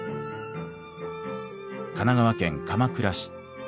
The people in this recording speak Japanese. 神奈川県鎌倉市。